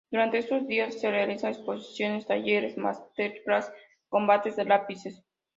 Durante estos día se realizan exposiciones, talleres, masterclass y combates de lápices.